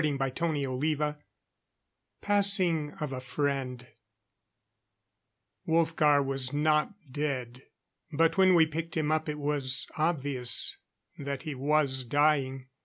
CHAPTER XVIII Passing of a Friend Wolfgar was not dead; but when we picked him up it was obvious that he was dying.